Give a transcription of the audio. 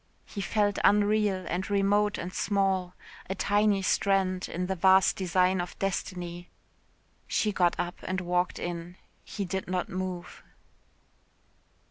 He felt unreal and remote and small. A tiny strand in the vast design of destiny. She got up and walked in. He did not move.